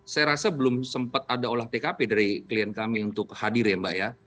saya rasa belum sempat ada olah tkp dari klien kami untuk hadir ya mbak ya